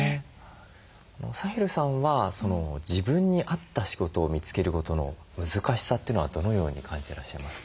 サヘルさんは自分に合った仕事を見つけることの難しさというのはどのように感じてらっしゃいますか？